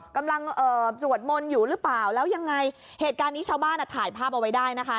เอ่อสวดมนต์อยู่หรือเปล่าแล้วยังไงเหตุการณ์นี้ชาวบ้านอ่ะถ่ายภาพเอาไว้ได้นะคะ